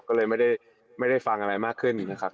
ก็เลยไม่ได้ฟังอะไรมากขึ้นนะครับ